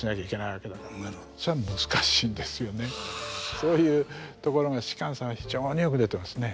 そういうところが芝さんは非常によく出てますね。